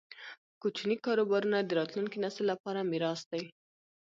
کوچني کاروبارونه د راتلونکي نسل لپاره میراث دی.